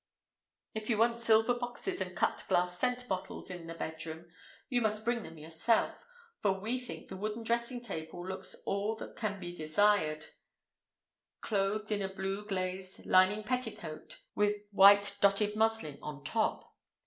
If you want silver boxes and cut glass scent bottles in the bedroom, you must bring them yourself. We think the wooden dressing table looks all that can be desired, clothed in a blue glazed lining petticoat, with white dotted muslin on top.